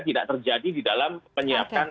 tidak terjadi di dalam penyiapan